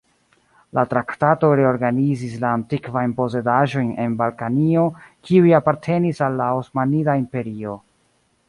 La traktato reorganizis la antikvajn posedaĵojn en Balkanio kiuj apartenis al la Osmanida Imperio.